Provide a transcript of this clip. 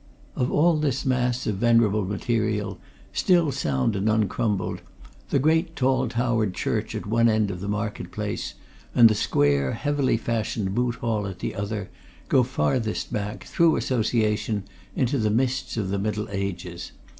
Of all this mass of venerable material, still sound and uncrumbled, the great tall towered church at one end of the market place, and the square, heavily fashioned Moot Hall at the other, go farthest back, through association, into the mists of the Middle Ages.